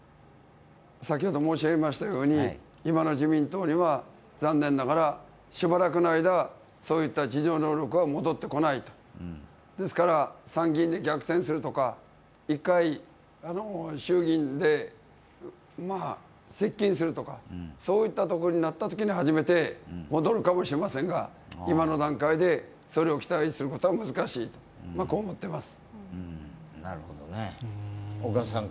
先ほど申し上げたように今の自民党には残念ながらしばらくの間は、そういう自浄能力は戻ってこない、ですから参議院で逆転するとか一回衆議院で接近するとか、そういったところになったときに初めて、戻るかもしれませんが今の段階でそれを期待することは難しいと思ってます。